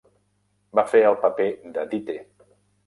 Va fer el paper de Dite.